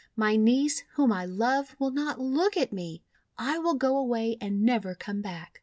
My niece, whom I love, will not look at me. I will go away and never come back.